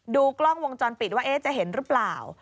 ดูกล้องวงจรปิดว่าจะเห็นหรือเปล่า